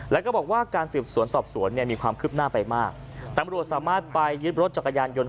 แล้วก็บอกว่าการสืบสวนสอบสวนเนี่ยมีความคืบหน้าไปมากตำรวจสามารถไปยึดรถจักรยานยนต